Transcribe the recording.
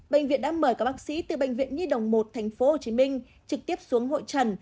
bệnh viện đã mời các bác sĩ từ bệnh viện nhi đồng một tp hcm trực tiếp xuống hội trần